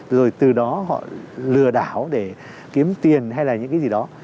rồi từ đó họ lừa đảo để kiếm tiền hay là những cái gì đó